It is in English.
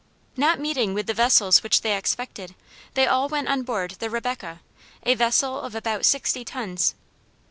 Not meeting with the vessels which they expected, they all went on board the Rebecca, a vessel of about sixty tons.